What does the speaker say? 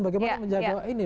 bagaimana menjadwal ini